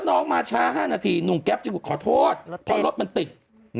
น้องมาช้า๕นาทีหนุ่มแก๊ปจึงขอโทษเพราะรถมันติด